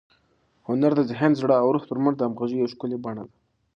هنر د ذهن، زړه او روح تر منځ د همغږۍ یوه ښکلي بڼه ده.